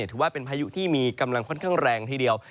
ถือว่าเป็นพายุที่มีกำลังค่อนข้างแรงทีเดียว